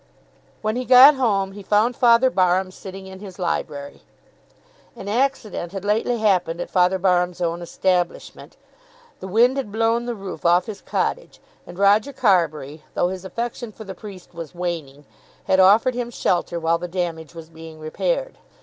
When he got home, he found Father Barham sitting in his library. An accident had lately happened at Father Barham's own establishment. The wind had blown the roof off his cottage; and Roger Carbury, though his affection for the priest was waning, had offered him shelter while the damage was being repaired.